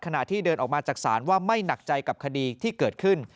ที่เดินออกมาจากศาลว่าไม่หนักใจกับคดีที่เกิดขึ้น